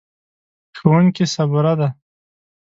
ښوونکې صبوره ده.